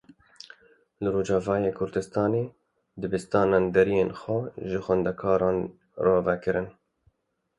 Li Rojavayê Kurdistanê dibistanan deriyên xwe ji xwendekaran re vekirin.